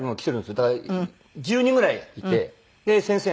だから１０人ぐらいいて先生が１人いて。